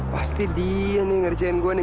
pasti dia nih ngerjain gua nih